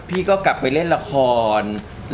พี่ก็กลับไปเล่นละคร